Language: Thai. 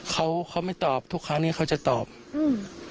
เขาเขาไม่ตอบทุกครั้งเนี้ยเขาจะตอบอืม